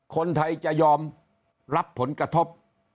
คนไทยจะยอมรับผลกระทบ